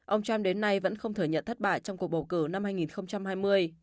ông trump đến nay vẫn không thừa nhận thất bại trong cuộc bầu cử năm hai nghìn hai mươi